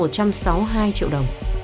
một trăm sáu mươi hai triệu đồng